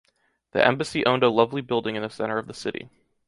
The embassy owned a lovely building in the center of the city.